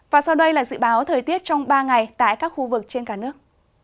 và sau đây là dự báo thời tiết trong ba ngày tại các khu vực trên cả nước